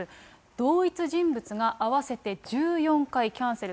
同一人物が合わせて１４回キャンセル。